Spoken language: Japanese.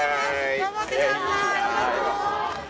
頑張ってください。